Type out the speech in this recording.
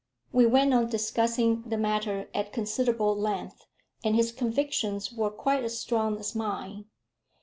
We went on discussing the matter at considerable length, and his convictions were quite as strong as mine.